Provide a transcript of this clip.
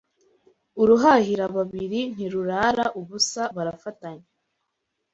Uruhahira babiri ntirurara ubusa barafatanya